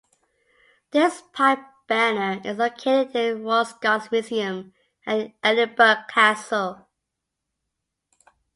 His pipe banner is located in the Royal Scots Museum at Edinburgh Castle.